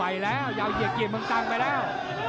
ยาวเหยียดเมืองกลางไปแล้ว